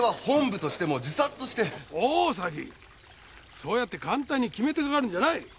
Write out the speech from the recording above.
そうやって簡単に決めてかかるんじゃない！